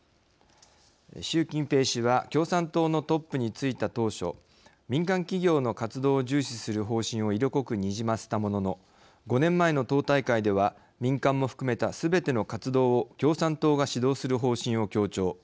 習近平氏は共産党のトップに就いた当初民間企業の活動を重視する方針を色濃くにじませたものの５年前の党大会では民間も含めたすべての活動を共産党が指導する方針を強調。